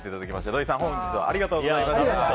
土井さん、本日はありがとうございました。